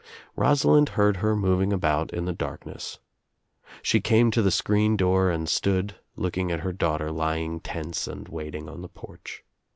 Rosalind heard her moving about in the darkness. She came to the screen door and stood looking at her daughter lying tense and waiting on the porch.